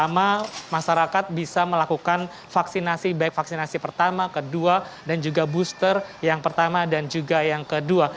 dan juga bisa melakukan vaksinasi baik vaksinasi pertama kedua dan juga booster yang pertama dan juga yang kedua